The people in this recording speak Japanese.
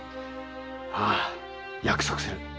ああ約束する。